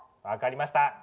分かりました。